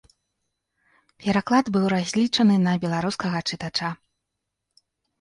Пераклад быў разлічаны на беларускага чытача.